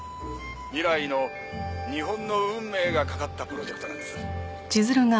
未来の日本の運命がかかったプロジェクトなんです。